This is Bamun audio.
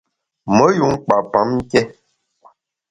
Me yun kpa pam nké.